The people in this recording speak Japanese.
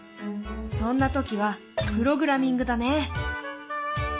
そんな時はプログラミングだね。